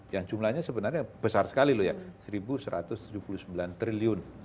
yang jumlahnya sebenarnya besar sekali loh ya rp satu satu ratus tujuh puluh sembilan triliun